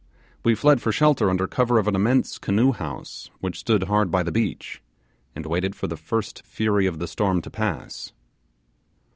We fled for shelter under cover of an immense canoe house which stood hard by the beach, and waited for the first fury of the storm to pass.